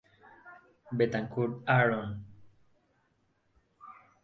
Betancourt, Aarón.